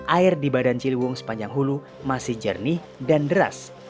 air di badan ciliwung sepanjang hulu masih jernih dan deras